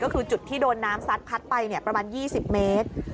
ก็คือจุดที่โดนน้ำซัดพัดไปประมาณ๒๐เมตร